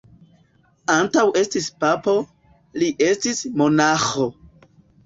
Antaŭ esti papo, li estis monaĥo.